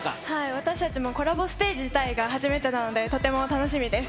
私たちもコラボステージ自体が初めてなので、とても楽しみです。